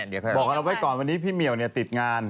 บอกกับเราไว้ก่อนวันนี้พี่เหมียวติดงาน